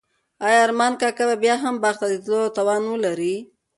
آیا ارمان کاکا به بیا هم باغ ته د تلو توان ولري؟